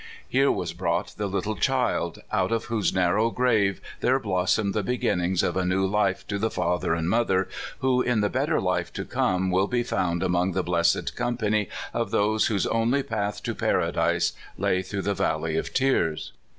Here was brought the little child, out of whose narrow grave there blossomed the begin nings of a new life to the father and mother, who in the better life to come will be found among the blessed company of those whose only path to par adise lay through the valley of tears.